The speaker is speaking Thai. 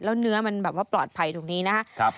แล้วเนื้อมันแบบว่าปลอดภัยตรงนี้นะครับ